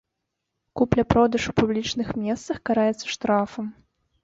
Купля-продаж у публічных месцах караецца штрафам.